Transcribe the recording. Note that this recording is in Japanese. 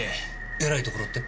えらいところって？